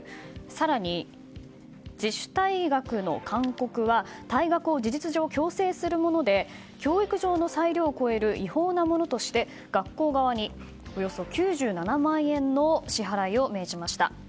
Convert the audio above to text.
更に自主退学の勧告は退学を事実上強制するもので教育上の裁量を超える違法なものとして学校側におよそ９７万円の支払いを命じました。